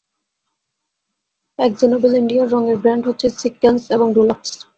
AkzoNobel ইন্ডিয়ার রঙের brand হচ্ছে সিক্কেনস এবং ডুলাক্স।